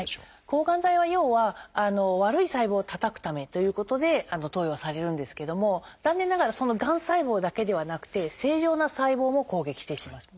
抗がん剤は要は悪い細胞をたたくためということで投与されるんですけども残念ながらがん細胞だけではなくて正常な細胞も攻撃してしまいます。